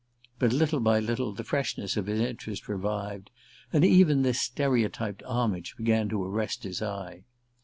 But little by little the freshness of his interest revived, and even this stereotyped homage began to arrest his eye.